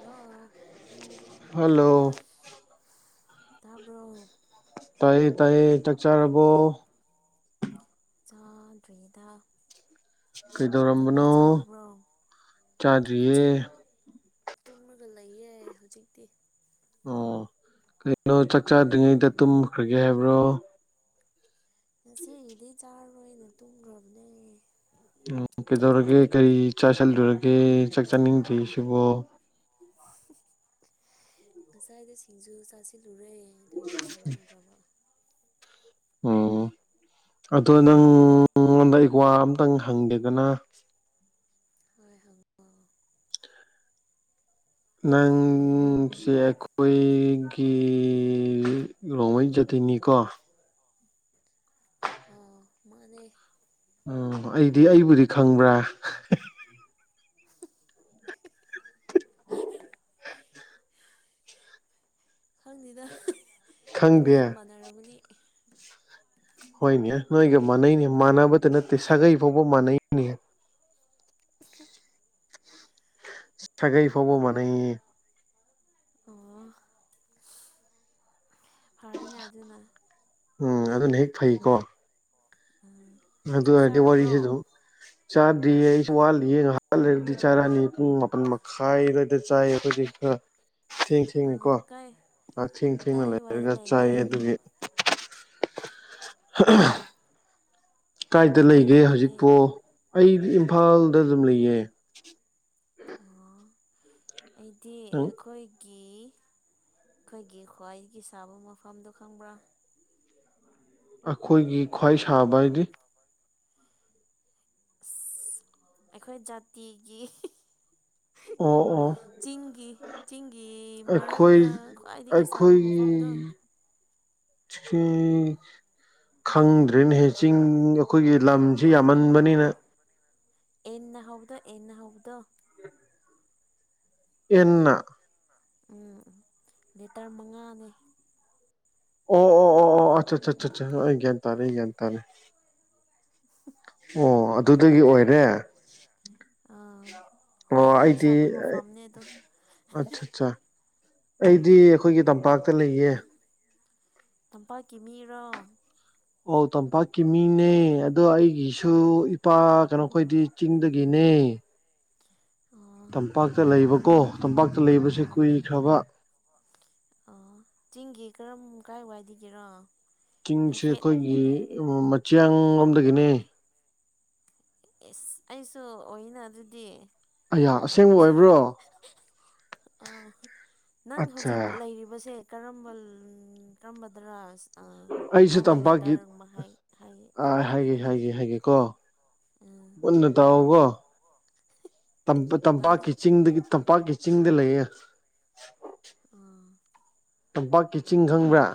hello hello ꯇꯥꯔꯕꯔꯣ ꯇꯥꯏ ꯇꯥꯏꯌꯦ ꯆꯥꯛꯆꯔꯕꯣ ꯆꯥꯗꯏꯗ ꯀꯩꯗꯧꯔꯝꯕꯅꯣ ꯆꯥꯗꯔꯤꯌꯦ ꯍꯧꯖꯤꯛ ꯇꯨꯝꯃꯒ ꯂꯩꯌꯦꯦ ꯍꯧꯖꯤꯛꯇꯤ ꯑꯣ ꯀꯩꯅꯣ ꯆꯥꯛ ꯆꯥꯗ꯭ꯔꯤꯉꯩꯗ ꯇꯨꯝꯈ꯭ꯔꯒꯦ ꯍꯥꯏꯕ꯭ꯔꯣ ꯉꯁꯤꯒꯤꯗꯤ ꯆꯥꯔꯔꯣꯏꯅ ꯇꯨꯝꯈ꯭ꯔꯕꯅꯦ ꯎꯝ ꯀꯩꯗꯧꯔꯒꯦ ꯀꯔꯤ ꯆꯥꯁꯤꯜꯂꯨꯔꯒꯦ ꯆꯥꯛ ꯆꯥꯅꯤꯡꯗ꯭ꯔꯤ ꯁꯤꯕꯣ ꯉꯁꯥꯏꯗ ꯁꯤꯡꯖꯨ ꯆꯥꯁꯤꯜꯂꯨꯔꯦ ꯑꯗꯨꯒꯤ ꯆꯥꯅꯤꯡꯗ꯭ꯔꯕ ꯎꯝ ꯎ ꯑꯗꯣ ꯅꯪꯉꯣꯟꯗ ꯑꯩꯀ꯭ꯋꯥ ꯑꯝꯇꯪ ꯍꯪꯒꯦꯗꯅ ꯍꯣꯏ ꯍꯪꯉ ꯅꯪꯁ ꯑꯩꯈꯣꯏꯒꯤ ꯒꯤ ꯔꯣꯃꯩꯖꯥꯇ ꯆꯤꯅꯤꯀꯣ ꯑꯥ ꯃꯥꯅꯦ ꯎꯝ ꯑꯩꯗꯤ ꯑꯩꯕꯨꯗꯤ ꯈꯪꯕ꯭ꯔꯥ ꯈꯪꯗꯦꯗ ꯑꯩꯈꯣꯏꯒ ꯈꯪꯗꯦ ꯃꯥꯟꯅꯔꯕꯗꯤ ꯍꯣꯏꯅꯦ ꯅꯣꯏꯒ ꯃꯥꯟꯅꯩꯅꯦ ꯃꯥꯟꯅꯕꯇ ꯅꯠꯇꯦ ꯁꯥꯒꯩ ꯐꯥꯎꯕ ꯃꯥꯟꯅꯩꯅꯦꯍ ꯁꯒꯩ ꯐꯕ ꯃꯅ ꯑꯣ ꯀꯥꯅꯦ ꯑꯗꯨꯗꯅ ꯎꯝ ꯑꯗꯨꯅ ꯍꯦꯛ ꯐꯩꯀꯣ ꯑꯗꯨ ꯆꯥꯛ ꯑꯣꯏꯔꯗꯤ ꯆꯥꯔꯕ꯭ꯔꯣ ꯋꯥꯔꯤꯁꯤꯁꯨ ꯆꯥ ꯗꯤ ꯑꯩ ꯋꯥꯂꯤ ꯌꯦ ꯂꯩꯔꯗꯤ ꯆꯥꯔꯅꯤ ꯄꯨꯡ ꯃꯥꯄꯟ ꯃꯈꯥꯏꯔꯗ ꯆꯥꯏ ꯑꯩꯈꯣꯏꯗꯤ ꯈ ꯊꯦꯡ ꯑꯥ ꯊꯦꯡꯅꯀꯣ ꯀꯥꯏ ꯉꯥꯛꯊꯦꯡ ꯊꯦꯡꯅ ꯀꯥꯏ ꯋꯥꯏꯗ ꯂꯩꯔꯒ ꯆꯥꯏ ꯂꯩꯒꯦ ꯑꯗꯨꯒꯤ [unintelligible] ꯀꯥꯏꯗ ꯂꯩꯒꯦ ꯍꯧꯖꯤꯛꯄꯣ ꯑꯩꯗꯤ ꯏꯝꯐꯥꯜꯗ ꯑꯗꯨꯝ ꯂꯩꯌꯦ ꯑꯣ ꯑꯩꯗꯤ ꯅꯪ ꯑꯩꯈꯣꯏ ꯀ ꯑꯩꯈꯣꯏꯒꯤ ꯈ꯭ꯋꯥꯏꯗꯒꯤ ꯁꯥꯕ ꯃꯐꯝꯗꯣ ꯈꯪꯕ꯭ꯔꯥ ꯑꯩꯈꯣꯏꯒꯤ ꯈ꯭ꯋꯥꯏ ꯁꯥꯕ ꯍꯥꯏꯗꯤ ꯑꯁ ꯑꯩꯈꯣꯏ ꯖꯥꯇꯤꯒꯤ ꯑꯣ ꯑꯣ ꯆꯤꯡꯒꯤ ꯆꯤꯡꯒꯤ ꯑꯩꯈꯣꯏ ꯃꯔꯛꯇ ꯈ꯭ꯋꯥꯏꯗꯒꯤ ꯁꯥꯕ ꯃꯐꯝꯗꯣ ꯐ ꯈꯪꯗ꯭ꯔꯦꯅ ꯍꯦ ꯆꯤꯡ ꯑꯩꯈꯣꯏꯒꯤ ꯂꯝꯁꯤ ꯌꯥꯝꯃꯟꯕꯅꯤꯅ ꯌꯦꯟꯅ ꯍꯥꯎꯗꯣ ꯌꯦꯟꯅ ꯍꯥꯎꯗꯣ ꯑꯦꯟꯅ ꯎꯝ ꯂꯤꯇꯔ ꯃꯉꯥꯅꯦ ꯑꯣ ꯑꯣ ꯑꯣ ꯑꯆꯥ ꯑ ꯑꯩ ꯒ꯭ꯌꯥꯟ ꯇꯥꯔꯦ ꯑꯩ ꯒ꯭ꯌꯥ ꯇꯔꯦ ꯑꯣ ꯑꯗꯨꯗꯒꯤ ꯑꯣꯏꯔꯦ ꯑꯥ ꯑꯣ ꯈ꯭ꯋꯥꯏꯗꯒꯤ ꯑꯩꯗꯤ ꯁꯥꯕ ꯃꯐꯝꯅꯦ ꯑꯗꯣ ꯑꯆꯥ ꯑꯠꯆꯥ ꯑꯩꯗꯤ ꯑꯩꯈꯣꯏꯒꯤ ꯇꯝꯄꯥꯛꯇ ꯂꯩꯌꯦ ꯇꯝꯄꯥꯛꯀꯤ ꯃꯤꯔꯣ ꯑꯣ ꯇꯝꯄꯥꯛꯀꯤ ꯃꯤꯅꯦ ꯑꯗꯣ ꯑꯩꯒꯤꯁꯨ ꯏꯄꯥ ꯀꯩꯅꯣꯈꯣꯏꯗꯤ ꯆꯤꯡꯗꯒꯤꯅꯦ ꯍ ꯑꯣ ꯂꯩꯕꯀꯣ ꯇꯝꯄꯥꯛꯇ ꯂꯩꯕꯁꯦ ꯀꯨꯏꯈ꯭ꯔꯕ ꯑ ꯆꯤꯡꯒꯤ ꯀꯔꯝ ꯀꯥꯏ ꯋꯥꯏꯒꯦꯔꯣ ꯆꯤꯡꯁꯦ ꯑꯩꯈꯣꯏꯒꯤ ꯃꯆꯤꯌꯥ ꯂꯣꯝꯗꯒꯤꯅꯦ ꯑꯦꯁ ꯑꯩꯁꯨ ꯑꯗꯨꯗꯤ ꯑ ꯑꯁꯦꯡꯕ ꯑꯣꯏ ꯑ ꯅꯪ ꯍꯧꯖꯤꯛ ꯑꯠꯆꯥ ꯂꯩꯔꯤꯕꯁꯦ ꯀꯔꯝꯕ ꯀꯔꯝꯕꯗ꯭ꯔꯥ ꯑꯩꯁꯦ ꯇꯝꯄꯥꯛꯀꯤ ꯍꯥꯏꯒꯦ ꯍꯥꯏꯔꯛꯑꯣꯅꯦ ꯍꯥꯏꯒꯦ ꯍꯥꯏꯒꯦꯀꯣ ꯎꯝ ꯄꯨꯟꯅ ꯇꯒꯣ ꯇꯥꯏ ꯇꯝꯄꯥꯛꯀꯤ ꯆꯤꯡ ꯇꯝꯄꯥꯛꯀꯤ ꯆꯤꯡꯗ ꯂꯩꯌꯦꯦ ꯑꯥ ꯇꯝꯄꯥꯛꯀꯤ ꯆꯤꯡ ꯈꯪꯕ꯭ꯔꯥ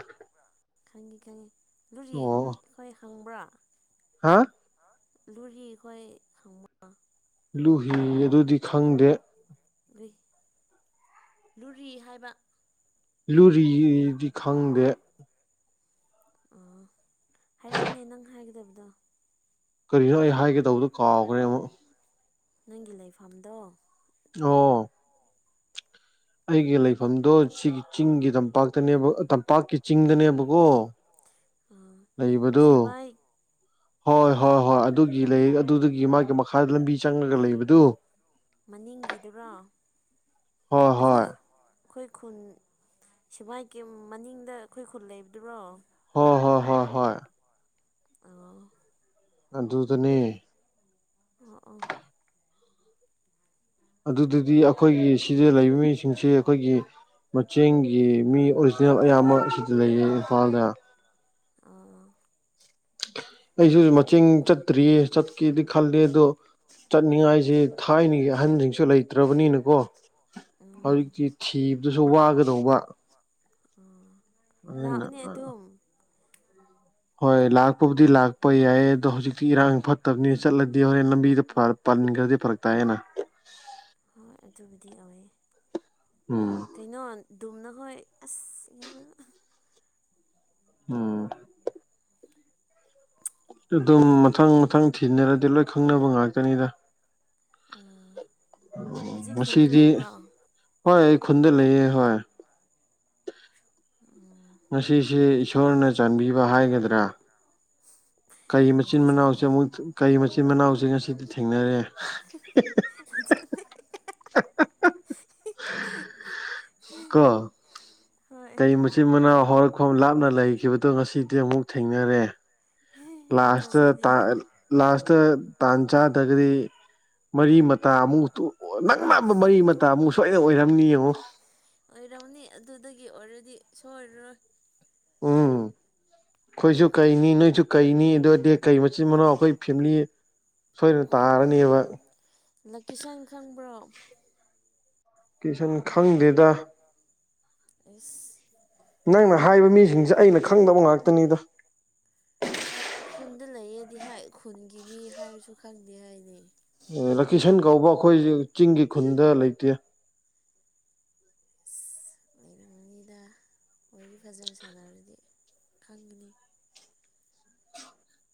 ꯈꯪꯉꯤ ꯈꯪꯉꯤ ꯂꯨꯔꯤ ꯑꯣ ꯑꯩꯈꯣꯏ ꯍꯪꯕ꯭ꯔꯥ ꯍꯥ ꯂꯨꯔꯤ ꯍꯈꯣꯏ ꯈꯪꯕ ꯂꯨꯍꯤ ꯑꯗꯨꯗꯤ ꯈꯪꯗꯦ ꯂꯨꯔꯤ ꯍꯥꯏꯕ ꯂꯨꯔꯤꯗꯤ ꯈꯪꯗꯦ ꯑꯣ ꯍꯥꯏꯔꯛꯑꯅꯦ ꯅꯪ ꯍꯥꯏꯒꯗꯕꯗꯣ ꯀꯔꯤꯅꯣ ꯑꯩ ꯍꯥꯏꯒꯦ ꯇꯧꯕꯗꯣ ꯀꯥꯎꯈ꯭ꯔꯦ ꯑꯃꯨꯛ ꯅꯪꯒꯤ ꯂꯩꯐꯝꯗꯣ ꯑꯣ ꯑꯩꯒꯤ ꯂꯩꯐꯝꯗꯣ ꯁꯤꯒꯤ ꯆꯤꯡꯒꯤ ꯇꯝꯄꯥꯛꯇꯅꯦꯕ ꯇꯝꯄꯥꯛꯀꯤ ꯆꯤꯡꯗꯅꯦꯕꯀꯣ ꯑꯥ ꯂꯩꯕꯗꯨꯣ ꯁꯦꯕꯥꯏ ꯍꯣꯏ ꯍꯣꯏ ꯍꯣꯏ ꯑꯗꯨꯒꯤ ꯂꯩ ꯑꯗꯨꯒꯤ ꯃꯥꯒꯤ ꯃꯈꯥꯗ ꯂꯝꯕꯤ ꯆꯪꯉꯒ ꯂꯩꯕꯗꯨ ꯃꯅꯤꯡꯒꯤꯗꯨꯔꯥ ꯍꯣꯏ ꯑꯩꯈꯣꯏ ꯍꯣꯏ ꯑꯩꯈꯣꯏ ꯈꯨꯟ ꯁꯤꯕꯥꯥꯏ ꯀꯦꯝ ꯃꯅꯤꯡꯗ ꯑꯩꯈꯣꯏ ꯈꯨꯜ ꯂꯩꯕꯗꯨꯔꯣ ꯍꯣꯏ ꯍꯣꯏ ꯍꯣꯏ ꯍꯣꯏ ꯑ ꯑꯗꯨꯗꯅꯦ ꯑ ꯑ ꯑꯗꯨꯗꯤ ꯑꯩꯈꯣꯏꯒꯤ ꯁꯤꯗ ꯂꯩꯕ ꯃꯤꯁꯤꯡꯁꯤꯦ ꯑꯩꯈꯣꯏꯒꯤ ꯃꯆꯦꯡꯒꯤ ꯃꯤ ꯑꯣꯔꯤꯖꯤꯅꯦꯜ ꯑꯌꯥꯝꯕ ꯑꯁꯤꯗ ꯂꯩꯌꯦ ꯏꯝꯐꯥꯜꯗ ꯑ ꯑꯩꯁꯨ ꯃꯆꯤꯡ ꯆꯠꯇ꯭ꯔꯤꯌꯦ ꯆꯠꯀꯦꯗꯤ ꯈꯜꯂꯦ ꯑꯗꯣ ꯆꯠꯅꯤꯡꯉꯥꯏꯁꯦ ꯊꯥꯏꯅꯒꯤ ꯑꯍꯟꯁꯤꯡꯁꯨ ꯂꯩꯇ꯭ꯔꯕꯅꯤꯅꯀꯣ ꯎꯝ ꯍꯧꯖꯤꯛꯇꯤ ꯊꯤꯕꯗꯨꯁꯨ ꯋꯥꯒꯗꯧꯕ ꯎ ꯑꯗꯨꯅ ꯂꯥꯛꯎꯅꯦ ꯑꯗꯨꯝ ꯍꯣꯏ ꯂꯥꯛꯄꯕꯨꯗꯤ ꯂꯥꯛꯄ ꯌꯥꯏ ꯑꯗꯣ ꯍꯧꯖꯤꯛꯇꯤ ꯏꯔꯥꯡ ꯐꯠꯇꯕꯅꯤꯅ ꯆꯠꯂꯗꯤ ꯍꯣꯔꯦꯟ ꯂꯝꯕꯤꯗ ꯐꯔ ꯄꯅꯤꯒꯗꯤ ꯐꯔꯛ ꯇꯑꯅ ꯍꯣꯏ ꯑꯗꯨꯕꯨꯗꯤ ꯌꯥꯎꯋꯦ ꯎꯝ ꯀꯩꯅꯣ ꯝꯅ ꯍꯣꯏ ꯑꯁ ꯎꯝ ꯑꯗꯨꯝ ꯃꯊꯪ ꯃꯊꯪ ꯊꯤꯅꯔꯗꯤ ꯂꯣꯏ ꯈꯪꯅꯕ ꯉꯥꯛꯇꯅꯤꯗ ꯑꯥ ꯍꯧꯖꯤꯛ ꯈꯨꯟꯗ ꯉꯁꯤꯗꯤ ꯂꯩꯕ꯭ꯔꯣ ꯍꯣꯏ ꯑꯩ ꯈꯨꯟꯗ ꯂꯩꯌꯦꯦ ꯍ ꯉꯁꯤꯁꯦ ꯏꯁꯣꯔꯅ ꯆꯥꯟꯕꯤꯕ ꯍꯥꯏꯒꯗ꯭ꯔꯥ ꯀꯩ ꯌꯥꯝ ꯃꯆꯤꯟ ꯃꯅꯥꯎꯁꯦ ꯊꯥꯖꯗꯤꯌꯦ ꯑꯃꯨ ꯀꯩ ꯃꯆꯤꯟ ꯃꯅꯥꯎꯁꯦ ꯉꯁꯤꯗꯤ ꯊꯦꯡꯅꯔꯦ ꯆ ꯀ ꯍꯣꯏ ꯀꯩ ꯃꯆꯤꯟ ꯃꯅꯥꯎ ꯍꯧꯔꯛꯐꯝ ꯂꯥꯞꯅ ꯂꯩꯈꯤꯕꯗꯣ ꯉꯁꯤꯗꯤ ꯑꯃꯨꯛ ꯊꯦꯡꯅꯔꯦ ꯌꯥꯝ ꯂꯥꯁꯥꯁꯇ ꯇꯥ ꯊꯥꯖꯗꯤꯌꯦ ꯂꯥꯁꯇ ꯇꯥꯟꯖꯥꯗꯒꯗꯤ ꯃꯔꯤ ꯃꯇꯥ ꯑꯃꯨ ꯑꯣ ꯅꯪ ꯅꯥꯕ ꯃꯔꯤ ꯃꯇꯥ ꯑꯃꯨꯛ ꯁꯣꯏꯅ ꯑꯣꯏꯔꯝꯅꯤ ꯌꯦꯡꯉꯣ ꯁꯜ꯭ꯔꯣꯏ ꯎꯝ ꯑꯩꯈꯣꯏꯁꯨ ꯀꯩꯅꯤ ꯅꯣꯏꯁꯨ ꯀꯩꯅꯤ ꯑꯗꯨ ꯑꯣꯏꯗꯤ ꯀꯩ ꯃꯆꯤꯟ ꯃꯅꯥꯎ ꯑꯩꯈꯣꯏ ꯐꯦꯃꯤꯂꯤ ꯁꯣꯏꯗ ꯇꯥꯔꯅꯦꯕ ꯂꯀꯤꯁꯟ ꯈꯪꯕ꯭ꯔꯣ ꯀꯤꯁꯟ ꯈꯪꯗꯦꯗ ꯏꯁ ꯅꯪꯅ ꯍꯥꯏꯕ ꯃꯤꯁꯤꯡꯁꯦ ꯑꯩꯅ ꯈꯪꯗꯕ ꯉꯥꯛꯇꯅꯤꯗ ꯈꯨꯟꯗ ꯂꯩꯌꯦꯗꯤ ꯍꯥꯏ ꯈꯨꯟꯒꯤ ꯃꯤ ꯍꯥꯏꯔꯁꯨ ꯈꯪꯗꯦ ꯍꯥꯏꯅꯤ ꯂꯀꯤꯁꯟ ꯀꯧꯕ ꯑꯩꯈꯣꯏꯁꯨ ꯆꯤꯡꯒꯤ ꯈꯨꯟꯗ ꯂꯩꯇꯦ ꯂꯩꯔꯤꯉꯉꯩꯗ ꯋꯥꯔꯤ ꯐꯖꯅ ꯁꯥꯟꯅꯔꯗꯤ ꯈꯪꯒꯅꯤ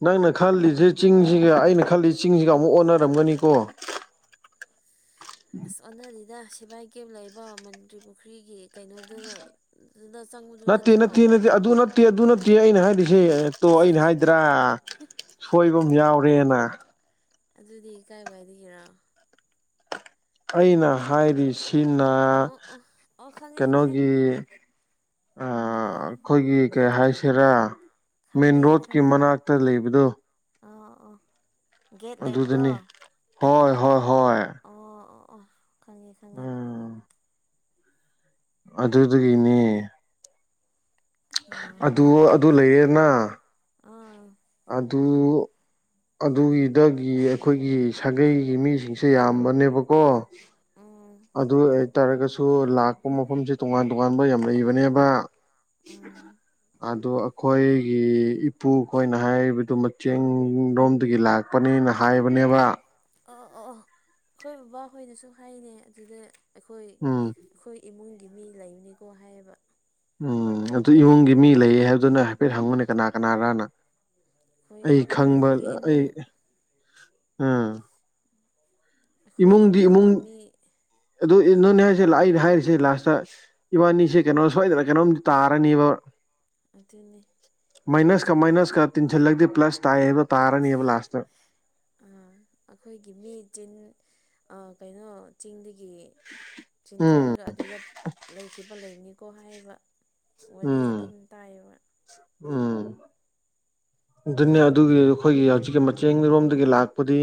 ꯅꯪꯅ ꯈꯜꯂꯤꯁꯦ ꯆꯤꯡꯁꯤꯒ ꯑꯩꯅ ꯈꯜꯂꯤꯁꯦ ꯆꯤꯡꯁꯤꯒ ꯑꯃꯨꯛ ꯑꯣꯟꯅꯔꯝꯒꯅꯤꯀꯣ ꯑꯁ ꯑꯣꯅꯗꯤꯗ ꯁꯤꯦꯕꯥꯏ ꯀꯦꯞ ꯂꯩꯕ ꯃꯟꯇ꯭ꯔꯤ ꯄꯨꯈ꯭ꯔꯤꯒꯤ ꯀꯩꯅꯣꯗꯨꯗ ꯑꯗꯨꯗ ꯆꯪꯉꯨꯗꯨ ꯅꯠꯇꯦ ꯅꯠꯇ꯭ꯔꯣ ꯅꯠꯇꯦ ꯅꯠꯇꯦ ꯑꯗꯨ ꯅꯠꯇꯦ ꯑꯗꯨ ꯅꯠꯇꯦ ꯑꯩꯅ ꯍꯥꯏꯔꯤꯁꯦ ꯇꯣ ꯑꯩꯅ ꯍꯥꯏꯗ꯭ꯔꯥꯣꯏ ꯑꯗꯨꯝ ꯌꯥꯎꯔꯦꯅ ꯑꯗꯨꯗꯤ ꯀꯥꯏ ꯋꯥꯏꯒꯦꯔꯣ ꯑꯩꯅ ꯍꯥꯏꯔꯤꯁꯤꯅ ꯑꯣ ꯑꯣ ꯑꯣ ꯈꯪꯉꯦ ꯈꯪꯉꯦ ꯀꯩꯅꯣꯒꯤ ꯑ ꯑꯩꯈꯣꯏꯒꯤ ꯀꯩ ꯍꯥꯏꯁꯤꯔꯥ ꯃꯦꯟ ꯈꯪꯉꯦ ꯔꯣꯠꯀꯤ ꯈꯪꯉꯦ ꯃꯅꯥꯛꯇ ꯂꯩꯕꯗꯨꯣ ꯑꯣ ꯑꯣ ꯒꯦꯠ ꯂꯩꯕꯗꯣ ꯍꯣꯏ ꯍꯣꯏ ꯍꯣꯏ ꯑꯣ ꯑꯣ ꯑꯣ ꯈꯪꯉꯦ ꯈꯪꯉꯦ ꯑꯗꯨꯗꯒꯤꯅꯦ ꯑꯥ ꯑꯗꯨ ꯑꯗꯨ ꯂꯩꯌꯦꯅ ꯑꯥ ꯑꯗꯨ ꯑꯗꯨꯒꯤꯗꯒꯤ ꯑꯩꯈꯣꯏꯒꯤ ꯁꯥꯒꯩꯒꯤ ꯃꯤꯁꯤꯡꯁꯦ ꯌꯥꯝꯕꯅꯦꯕꯀꯣ ꯎꯝ ꯇꯥꯔꯒꯁꯨ ꯂꯥꯛꯄ ꯃꯐꯝꯁꯦ ꯇꯣꯉꯥꯟ ꯇꯣꯉꯥꯟꯕ ꯌꯥꯝ ꯂꯩꯕꯅꯦꯕ ꯎꯝ ꯑꯗꯣ ꯑꯩꯈꯣꯏꯒꯤ ꯏꯄꯨ ꯈꯣꯏꯅ ꯍꯥꯏꯔꯤꯕꯗꯨ ꯃꯆꯦꯡꯔꯣꯝꯗꯒꯤ ꯂꯥꯛꯄꯅꯤꯅ ꯍꯥꯏꯕꯅꯤ ꯅꯦꯕ ꯑ ꯑ ꯑꯩꯈꯣꯏ ꯕꯕꯥ ꯍꯣꯏꯅꯁꯨ ꯍꯥꯏꯅꯦ ꯑꯗꯨꯗ ꯑꯩꯈꯣꯏ ꯎꯝ ꯑꯩꯈꯣꯏ ꯏꯃꯨꯡ ꯒꯤ ꯃꯤ ꯂꯩꯕꯅꯤꯀꯣ ꯍꯥꯏꯌꯦꯕ ꯎꯝ ꯑꯗꯨ ꯏꯃꯨꯡꯒꯤ ꯃꯤ ꯂꯩꯌꯦ ꯍꯥꯏꯕꯗꯨꯅ ꯍꯥꯏꯐꯦꯠ ꯍꯪꯉꯨꯅꯦ ꯀꯅꯥ ꯀꯅꯥꯔꯅ ꯑꯩꯈꯣꯏ ꯑꯩ ꯈꯪꯕ ꯑꯩꯈꯣꯏꯒꯤ ꯑꯩ ꯏꯃꯨꯡ ꯎꯝ ꯑꯩꯈꯣꯏ ꯏꯃꯨꯡꯗꯤ ꯏꯃꯨꯡ ꯏꯃꯨꯡꯒꯤ ꯃꯤ ꯑꯗꯨ ꯏ ꯅꯣꯏꯅꯦ ꯍꯥꯏꯔꯤꯁꯦ ꯑꯩꯅ ꯍꯥꯏꯔꯤꯁꯦ ꯂꯥꯁꯇ ꯏꯕꯥꯅꯤꯁꯦ ꯀꯩꯅꯣ ꯁꯣꯏꯗꯅ ꯀꯩꯅꯣꯝꯗꯤ ꯇꯥꯔꯅꯦꯕ ꯑꯗꯨꯅꯤ ꯃꯥꯏꯅꯁꯀ ꯃꯥꯏꯅꯁꯀ ꯇꯤꯟꯁꯤꯜꯂꯒꯗꯤ ꯄ꯭ꯂꯁ ꯇꯥꯏ ꯍꯥꯏꯕ ꯇꯥꯔꯅꯤꯕ ꯂꯥꯁꯇ ꯑ ꯑꯩꯈꯣꯏꯒꯤ ꯃꯤ ꯆꯤꯟ ꯀꯩꯅꯣ ꯆꯤꯡꯗꯒꯤ ꯒꯤ ꯎꯝ ꯆꯤꯟꯊꯔꯒ ꯑꯗꯨꯗ ꯂꯩꯈꯤꯕ ꯂꯩꯕꯅꯤꯀꯣ ꯍꯥꯏꯕ ꯋꯥꯔꯤ ꯎꯝ ꯑꯗꯨꯝ ꯇꯥꯏꯌꯦꯕ ꯎꯝ ꯑꯗꯨꯅꯦ ꯑꯗꯨꯒꯤ ꯑꯩꯈꯣꯏꯒꯤ ꯍꯧꯖꯤꯛꯀꯤ ꯃꯆꯦꯜꯔꯣꯝꯗꯒꯤ ꯂꯥꯛꯄꯗꯤ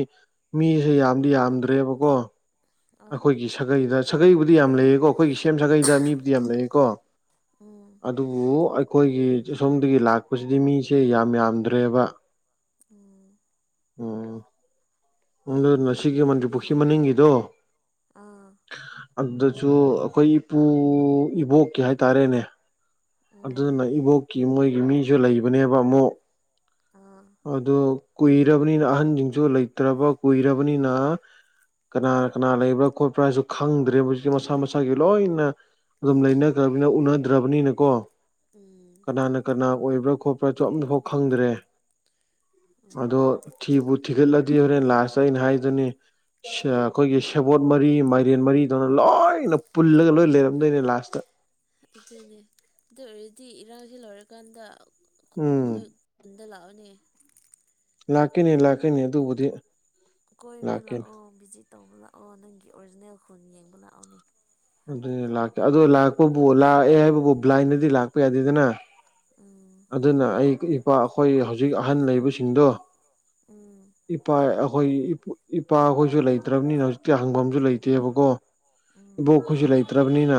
ꯃꯤꯁꯦ ꯌꯥꯝꯗꯤ ꯌꯥꯝꯗ꯭ꯔꯦ ꯑꯥ ꯑꯩꯈꯣꯏꯒꯤ ꯁꯥꯒꯩꯗ ꯁꯥꯒꯩꯕꯨꯗꯤ ꯌꯥꯝ ꯂꯩꯌꯦꯀꯣ ꯑꯩꯈꯣꯏꯒꯤ ꯁꯦꯝ ꯁꯥꯒꯩꯗ ꯃꯤꯕꯨꯗꯤ ꯌꯥꯝ ꯂꯩꯀꯣ ꯎꯝ ꯑꯗꯨꯕꯨ ꯑꯩꯈꯣꯏꯒꯤ ꯁꯣꯝꯗꯒꯤ ꯂꯥꯛꯄꯁꯤꯗꯤ ꯃꯤꯁꯦ ꯌꯥꯝ ꯌꯥꯝꯗ꯭ꯔꯦꯕ ꯎꯝ ꯎꯝ ꯅꯪꯗ ꯉꯁꯤꯒꯤ ꯃꯟꯇ꯭ꯔꯤ ꯄꯨꯈ꯭ꯔꯤ ꯃꯅꯤꯡꯒꯤꯗꯣ ꯑꯥ ꯑꯗꯨꯗꯁꯨ ꯑꯩꯈꯣꯏ ꯏꯄꯨ ꯏꯕꯣꯛꯀꯤ ꯍꯥꯏꯇꯥꯔꯦꯅꯦ ꯎꯝ ꯑꯗꯨꯅ ꯏꯕꯣꯛꯀꯤ ꯃꯣꯏꯒꯤ ꯃꯤꯁꯨ ꯂꯩꯕꯅꯦꯕ ꯑꯃꯨꯛ ꯑꯥ ꯑꯗꯨ ꯀꯨꯏꯔꯕꯅꯤꯅ ꯑꯍꯟꯁꯤꯡꯁꯨ ꯂꯩ ꯇ꯭ꯔꯕ ꯀꯨꯏꯔꯕꯅꯤ ꯅ ꯀꯅꯥ ꯀꯅꯥ ꯂꯩꯕ꯭ꯔꯥ ꯈꯣꯠꯄ꯭ꯔꯥ ꯍꯥꯏꯁꯨ ꯈꯪꯗ꯭ꯔꯦ ꯍꯧꯖꯤꯛꯀꯤ ꯃꯁꯥ ꯃꯁꯥꯒꯤ ꯂꯣꯏꯅ ꯑꯗꯨꯝ ꯂꯩꯅꯈ꯭ꯔꯕꯅꯤꯅ ꯎꯅꯗ꯭ꯔꯕꯅꯤꯅꯀꯣ ꯎꯝ ꯀꯅꯥꯅ ꯀꯅꯥ ꯑꯣꯏꯕ꯭ꯔꯥ ꯈꯣꯠꯄ꯭ꯔꯥꯁꯨ ꯑꯝꯐꯥꯎ ꯈꯪꯗ꯭ꯔꯦ ꯎꯝ ꯑꯗꯣ ꯊꯤꯕꯨ ꯊꯤꯒꯠꯂꯗꯤ ꯍꯣꯔꯦꯟ ꯂꯥꯁꯇ ꯑꯩꯅ ꯍꯥꯏꯗꯨꯅꯤ ꯑꯩꯈꯣꯏꯒꯤ ꯁꯦꯕꯣꯠ ꯃꯔꯤ ꯃꯥꯏꯔꯦꯟ ꯃꯔꯤꯗꯧꯅ ꯂꯣꯏꯅ ꯄꯨꯜꯂꯒ ꯂꯣꯏ ꯂꯩꯔꯝꯗꯣꯏꯅꯦ ꯂꯥꯁꯇ ꯑꯗꯨꯅꯦ ꯑꯗꯨ ꯑꯣꯏꯔꯗꯤ ꯏꯔꯥꯡꯁꯤ ꯂꯣꯏꯔꯀꯥꯟꯗ ꯎꯝ ꯑꯩꯈꯣꯏ ꯈꯨꯟꯗ ꯂꯥꯛꯑꯣꯅꯦ ꯂꯥꯛꯀꯅꯤ ꯂꯥꯛꯀꯈꯤꯅꯤ ꯑꯗꯨꯨꯕꯨꯗꯤ ꯀꯣꯏꯕ ꯂꯥꯛꯑꯣ ꯚꯤꯖꯤꯠ ꯇꯧꯕ ꯂꯥꯛꯑꯣ ꯅꯪꯒꯤ ꯑꯣꯔꯤꯖꯤꯅꯦꯜ ꯈꯨꯜ ꯌꯦꯡꯕ ꯂꯥꯛꯑꯣꯅꯦ ꯑꯗꯨ ꯂꯥꯛꯀꯦ ꯑꯣ ꯂꯥꯛꯄꯕꯨ ꯂꯥꯛꯑꯦ ꯍꯥꯏꯕꯕꯨ ꯕ꯭ꯂꯥꯏꯟꯗꯗꯤ ꯂꯥꯛꯄ ꯌꯥꯗꯦꯗꯅ ꯎꯝ ꯑꯗꯨꯅ ꯑꯩ ꯏꯄꯥ ꯑꯩꯈꯣꯏ ꯍꯧꯖꯤꯛ ꯑꯍꯟ ꯂꯩꯕꯁꯤꯡꯗꯣ ꯎꯝ ꯏꯄꯥ ꯑꯩꯈꯣꯏ ꯏꯄꯥꯈꯣꯏꯁꯨ ꯂꯩꯇ꯭ꯔꯕꯅꯤꯅ ꯍꯧꯖꯤꯛꯇꯤ ꯍꯪꯐꯝꯁꯨ ꯂꯩꯇꯦꯕꯀꯣ ꯎꯝ ꯏꯕꯣꯛꯈꯣꯏꯁꯨ ꯂꯩꯇ꯭ꯔꯕꯅꯤꯅ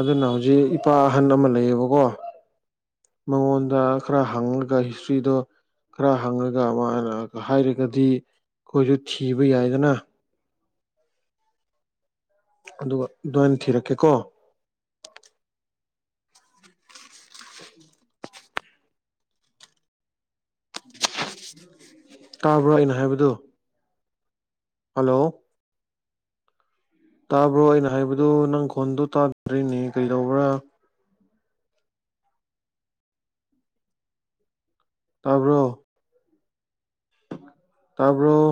ꯑꯗꯨꯅ ꯑꯣ ꯍꯧꯖꯤꯛ ꯏꯄꯥ ꯑꯍꯟ ꯑꯃ ꯂꯩꯌꯦꯕꯀꯣ ꯃꯉꯣꯟꯗ ꯈꯔ ꯍꯪꯉꯒ ꯍꯤꯁꯇ꯭ꯔꯤꯗꯣ ꯈꯔ ꯍꯪꯉꯒ ꯑꯃ ꯍꯥꯏꯔꯒꯗꯤ ꯑꯩꯈꯣꯏꯁꯨ ꯊꯤꯕ ꯌꯥꯏꯗꯅ ꯑꯗꯨꯒ ꯑꯗꯨꯃꯥꯏꯅ ꯊꯤꯔꯛꯀꯦꯀꯣ ꯇꯕ꯭ꯔꯥ ꯑꯩꯅꯣ ꯍꯥꯏꯕꯗꯨ ꯍꯜꯂꯣ ꯇꯥꯕ꯭ꯔꯣ ꯑꯩꯅ ꯍꯥꯏꯕꯗꯨ ꯅꯪ ꯈꯣꯟꯗꯨ ꯇꯥꯗꯔꯤꯅꯦ ꯀꯩꯗꯧꯕ꯭ꯔꯥ ꯇꯥꯕ꯭ꯔꯣ ꯇꯥꯔꯕꯣ